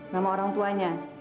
nama orang tuanya